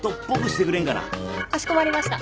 かしこまりました。